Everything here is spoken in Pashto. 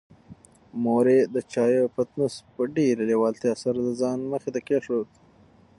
مور یې د چایو پتنوس په ډېرې لېوالتیا سره د ځان مخې ته کېښود.